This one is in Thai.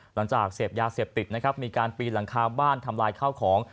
หลังจากเสพยาเสพติดนะครับมีการปีนหลังคาบ้านทำลายข้าวของ